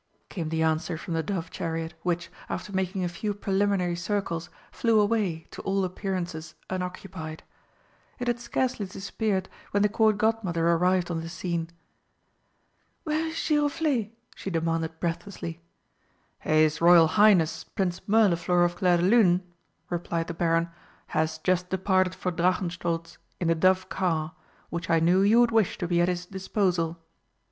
came the answer from the dove chariot, which, after making a few preliminary circles, flew away, to all appearances unoccupied. It had scarcely disappeared when the Court Godmother arrived on the scene. "Where is Giroflé?" she demanded breathlessly. "His Royal Highness Prince Mirliflor of Clairdelune," replied the Baron, "has just departed for Drachenstolz in the dove car, which I knew you would wish to be at his disposal."